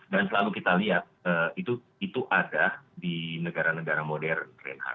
dan selalu kita lihat itu ada di negara negara modern